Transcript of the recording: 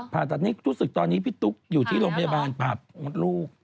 ผ่าตัดนี่รู้สึกตอนนี้พี่ตุ๊กอยู่ที่โรงพยาบาลผ่ามดลูก